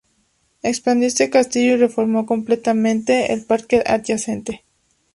Expandió este castillo, y reformó completamente el parque adyacente.